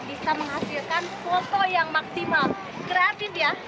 bisa menghasilkan foto yang maksimal kreatif ya